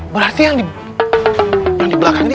berarti yang di belakang ini